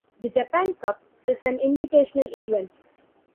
The Japan Cup is an invitational event.